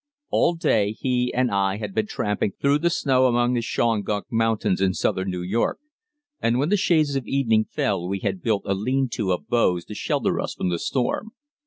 All day he and I had been tramping through the snow among the Shawangunk Mountains in southern New York, and when the shades of evening fell we had built a lean to of boughs to shelter us from the storm.